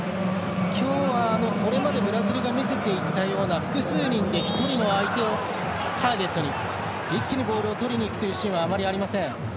今日は、これまでブラジルが見せていたような複数人で一人の相手をターゲットに一気にボールをとりにいくというシーンはあまりありません。